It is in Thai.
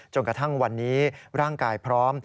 จนกระทั่งวันนี้ร่างกายพร้อม